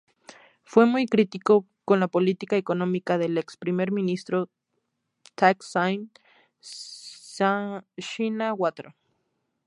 Fue muy crítico con la política económica del ex Primer Ministro Thaksin Shinawatra.